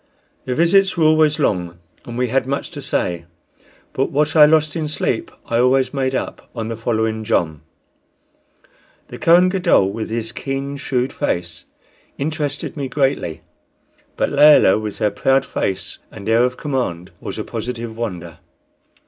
Their visits were always long, and we had much to say; but what I lost of sleep I always made up on the following jom. The Kohen Gadol, with his keen, shrewd face, interested me greatly; but Layelah, with her proud face and air of command, was a positive wonder.